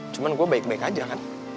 cuma gue baik baik aja kan